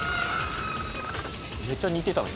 めっちゃ似てたな。